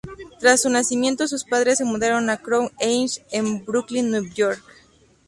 Tras su nacimiento, sus padres se mudaron a Crown Heights, en Brooklyn, Nueva York.